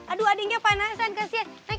aduh adiknya panasin kesian